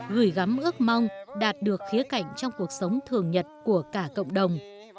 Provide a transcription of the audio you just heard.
gửi gắm ước mong đạt được khía cạnh trong cuộc sống thường nhật của cả cộng đồng